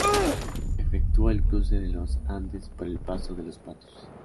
Efectuó el cruce de los Andes por el paso de Los Patos.